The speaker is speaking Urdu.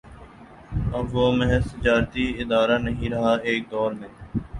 اب وہ محض تجارتی ادارہ نہیں رہا ایک دور میں